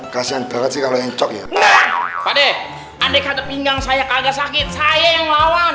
kasian banget sih kalau yang cok ya pade aneh kata pinggang saya kagak sakit saya yang lawan